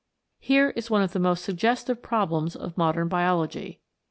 Here is one of the most suggestive problems of modern Biology.